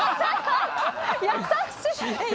優しい！